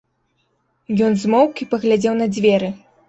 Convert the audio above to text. Ён змоўк і паглядзеў на дзверы.